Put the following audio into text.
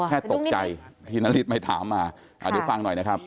แต่ตกใจที่นาฬิตมาฐานมาที่ฟังหน่อยนะครับ